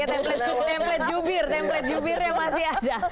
template jubir template jubir yang masih ada